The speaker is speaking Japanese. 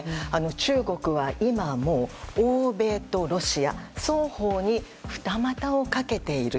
中国は今も、欧米とロシア双方に二股をかけている。